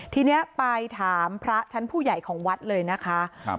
ทีนี้ไปถามพระชั้นผู้ใหญ่ของวัดเลยนะคะครับ